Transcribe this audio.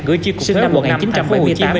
gửi chiếc cục thơ năm một nghìn chín trăm bảy mươi tám